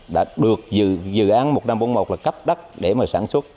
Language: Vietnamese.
đã được dự án một nghìn năm trăm bốn mươi một là cấp đất để mà sản xuất